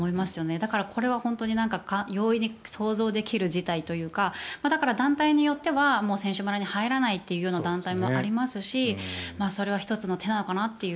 だからこれは本当に容易に想像できる事態というかだから、団体によっては選手村に入らないという団体もありますしそれも１つの手なのかなという。